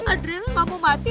adriana gak mau mati